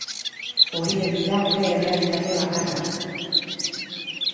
Horiek dira gure errealitate bakarra.